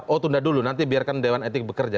oh tunda dulu nanti biarkan dewan etik bekerja